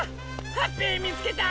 ハッピーみつけた！